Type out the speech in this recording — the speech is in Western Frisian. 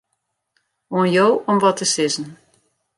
Oan jo om wat te sizzen.